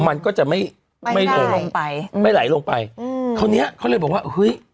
มันก็จะไม่ไม่ลงลงไปอืมไม่ไหลลงไปอืมคราวเนี้ยเขาเลยบอกว่าเฮ้ย